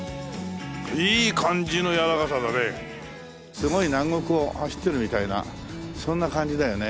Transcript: すごい南国を走ってるみたいなそんな感じだよね。